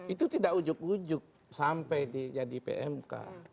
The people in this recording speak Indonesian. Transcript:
itu tidak ujug ujug sampai jadi pmk